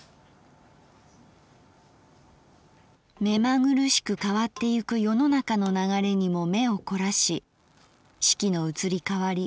「めまぐるしく変ってゆく世の中の流れにも眼を凝らし四季の移り変り